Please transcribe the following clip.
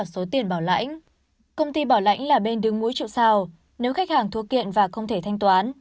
công ty bỏ lãnh là bên đứng mũi triệu sao nếu khách hàng thua kiện và không thể thanh toán